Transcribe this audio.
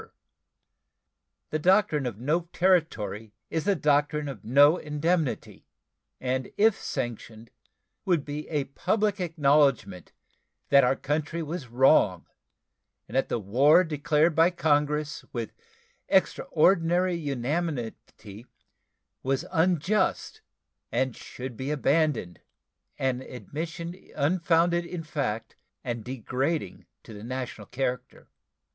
The doctrine of no territory is the doctrine of no indemnity, and if sanctioned would be a public acknowledgment that our country was wrong and that the war declared by Congress with extraordinary unanimity was unjust and should be abandoned an admission unfounded in fact and degrading to the national character.